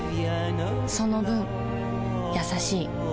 その分優しい